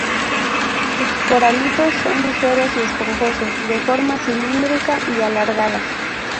Sus coralitos son ligeros y esponjosos, de forma cilíndrica y alargada.